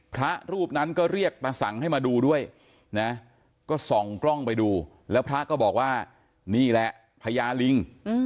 พระรูปนั้นก็เรียกตาสังให้มาดูด้วยนะก็ส่องกล้องไปดูแล้วพระก็บอกว่านี่แหละพญาลิง